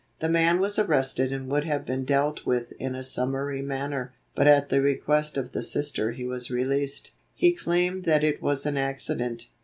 The man was arrested and would have been dealt with in a summary manner, but at the request of the Sister he was released. He claimed that it was an accident.